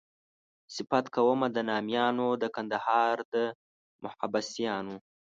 صفت کومه د نامیانو د کندهار د محبسیانو.